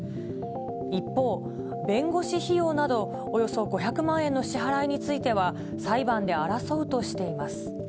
一方、弁護士費用など、およそ５００万円の支払いについては、裁判で争うとしています。